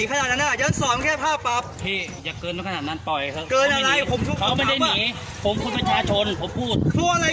ผมก็บอกให้ดีเขาไม่ยอมจอดเลย